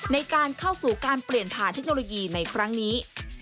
ในการเข้าสู่การเปลี่ยนผ่านเทคโนโลยีในครั้งนี้